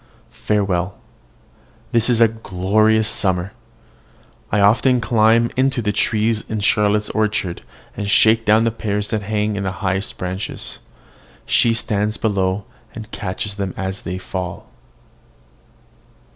Farewell! This is a glorious summer. I often climb into the trees in Charlotte's orchard, and shake down the pears that hang on the highest branches. She stands below, and catches them as they fall.